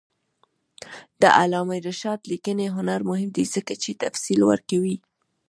د علامه رشاد لیکنی هنر مهم دی ځکه چې تفصیل ورکوي.